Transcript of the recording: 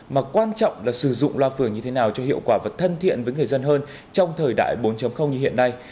mà quan trọng là sử dụng loa phường như thế nào cho hiệu quả và thân thiện với người dân hơn trong thời đại bốn như hiện nay